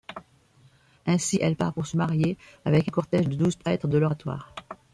Ainsi, elle part pour se marier avec un cortège de douze prêtres de l'Oratoire.